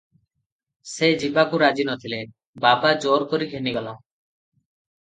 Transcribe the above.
"ସେ ଯିବାକୁ ରାଜି ନ ଥିଲେ, ବାବା ଜୋର କରି ଘେନିଗଲା ।